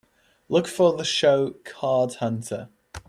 Look for the show Card Hunter